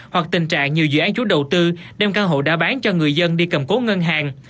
hoặc tình trạng nhiều dự án chủ đầu tư đem căn hộ đã bán cho người dân đi cầm cố ngân hàng